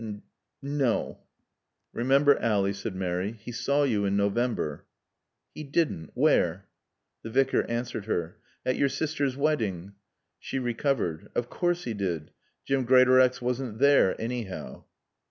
"N no." "Remember, Ally," said Mary, "he saw you in November." "He didn't. Where?" The Vicar answered her. "At your sister's wedding." She recovered. "Of course he did. Jim Greatorex wasn't there, anyhow."